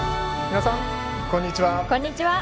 皆さん、こんにちは。